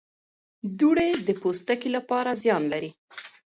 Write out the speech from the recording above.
دوړې د پوستکي لپاره زیان لري.